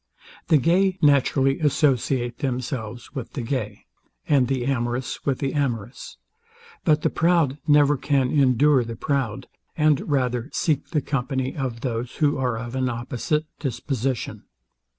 The gay naturally associate themselves with the gay, and the amorous with the amorous: But the proud never can endure the proud, and rather seek the company of those who are of an opposite disposition.